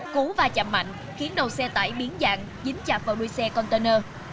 cú và chạm mạnh khiến đầu xe tải biến dạng dính chạp vào đuôi xe container